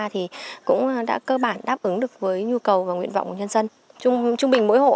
thì cũng đã cơ bản đáp ứng được với nhu cầu và nguyện vọng của nhân dân trung trung bình mỗi hộ